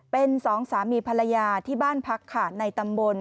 เป็นสองสามีภรรยาที่บ้านพักค่ะในตำบล